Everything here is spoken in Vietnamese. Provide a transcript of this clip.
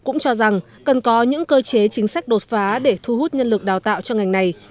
cũng cho rằng cần có những cơ chế chính sách đột phá để thu hút nhân lực đào tạo cho ngành này